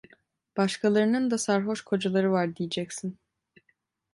Başkalarının da sarhoş kocaları var diyeceksin.